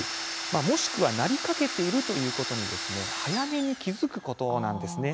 もしくは、なりかけているということに早めに気付くことです。